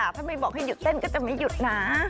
ถ้าไม่บอกให้หยุดเต้นก็จะไม่หยุดนะ